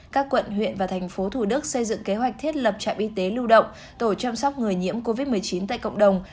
các quận huyện và tp hcm xây dựng kế hoạch thiết lập trạm y tế lưu động tổ chăm sóc người nhiễm covid một mươi chín tại cộng đồng